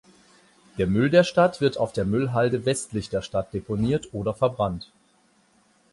Der Müll der Stadt wird auf der Müllhalde westlich der Stadt deponiert oder verbrannt.